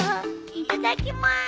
いただきます！